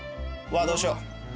どうしよう。